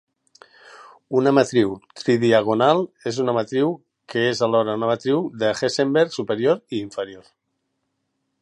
Una matriu tridiagonal és una matriu que és alhora una matriu de Hessenberg superior i inferior.